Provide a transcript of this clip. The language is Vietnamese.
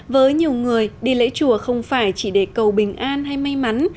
với nhiều người đi lễ chùa không phải chỉ để cầu bình an hay may mắn